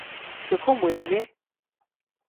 Kako mu je ime?